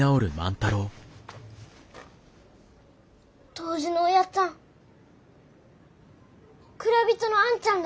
杜氏のおやっつぁん蔵人のあんちゃん